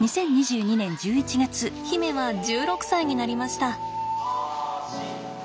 媛は１６歳になりました。